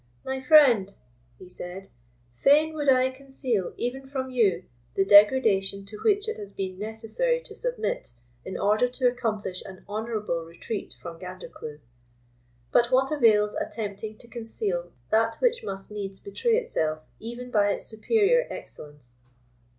"My friend," he said, "fain would I conceal, even from you, the degradation to which it has been necessary to submit, in order to accomplish an honourable retreat from Gandercleaugh. But what avails attempting to conceal that which must needs betray itself even by its superior excellence?